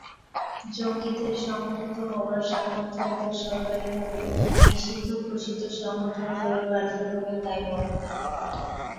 জঙ্গিদের সংগঠিত হওয়ার সামর্থ্য এবং সরকারিভাবে নিষিদ্ধঘোষিত সংগঠনগুলোর কার্যক্রমে তা-ই মনে হয়।